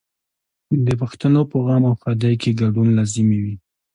د پښتنو په غم او ښادۍ کې ګډون لازمي وي.